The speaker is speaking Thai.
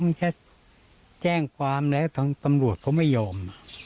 มันแค่แจ้งความแล้วทางตำรวจเขาไม่ยอม